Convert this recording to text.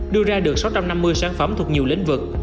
đưa ra được sáu trăm năm mươi sản phẩm thuộc nhiều lĩnh vực